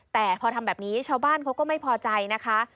แต่พอทำแบบนี้ชาวบ้านเขาก็ไม่พอใจนะคะ